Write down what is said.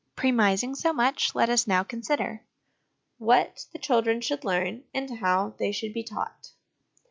Premising so much, let us now consider What the children should learn, and how they should be taught.